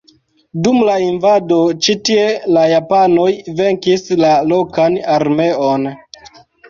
Dum la invado ĉi tie la japanoj venkis la lokan armeon.